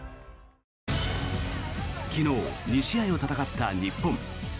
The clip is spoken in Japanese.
昨日、２試合を戦った日本。